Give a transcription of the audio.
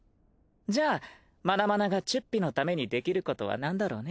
じゃあマナマナがチュッピのためにできることはなんだろうね？